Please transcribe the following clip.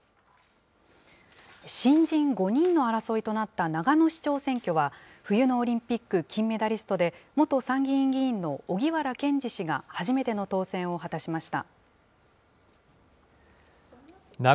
新人５人の争いとなった長野市長選挙は、冬のオリンピック金メダリストで、元参議院議員の荻原健司氏が初めての当選を果たしました。